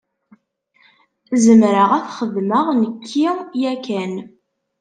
Zemreɣ ad t-xedmeɣ nekki yakan.